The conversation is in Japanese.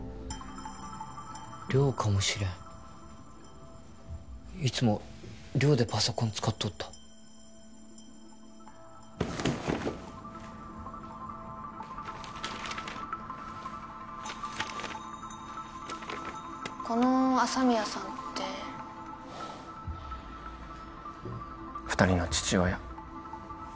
寮かもしれんいつも寮でパソコン使っとったこの朝宮さんって二人の父親